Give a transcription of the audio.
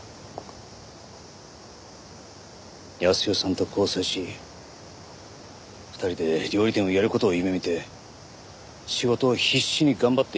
泰代さんと交際し２人で料理店をやる事を夢見て仕事を必死に頑張っていた。